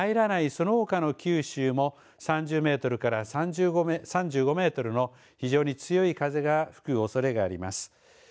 そのほかの九州も３０メートルから３５メートルの非常に強い風が吹くおそれがあります。